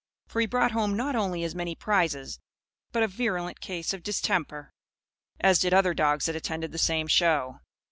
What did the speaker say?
For he brought home not only his many prizes but a virulent case of distemper; as did other dogs that attended the same show.